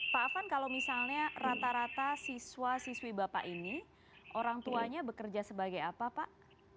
pak afan kalau misalnya rata rata siswa siswi bapak ini orang tuanya bekerja sebagai apa pak